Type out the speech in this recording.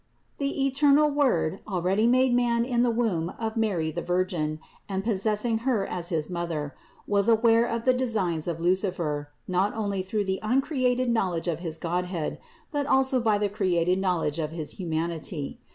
335. The eternal Word, already made man in the womb of Mary the Virgin, and possessing Her as his Mother, was aware of the designs of Lucifer, not only through the uncreated knowledge of his Godhead, but also by the created knowledge of his humanity.